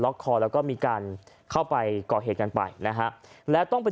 คอแล้วก็มีการเข้าไปก่อเหตุกันไปนะฮะแล้วต้องไป